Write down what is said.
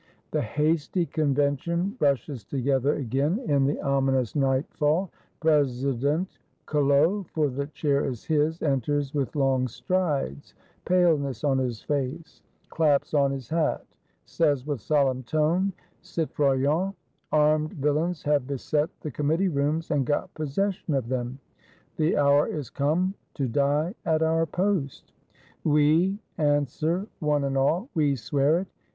The hasty Convention rushes together again, in the ominous nightfall: President Collot, for the chair is his, enters with long strides, paleness on his face; claps on his hat; says with solemn tone: "Citoyens, armed Vil lains have beset the Committee rooms, and got posses sion of them. The hour is come, to die at our post!" ''Otd," answer one and all: "We swear it!"